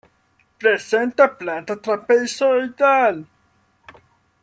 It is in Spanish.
Presenta planta trapezoidal.